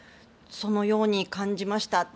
そのように感じました。